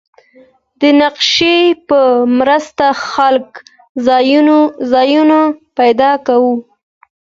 د نقشې په مرسته خلک ځایونه پیدا کوي.